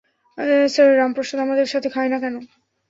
Sir, Ram Prasad আমাদের সাথে খায় না কেন?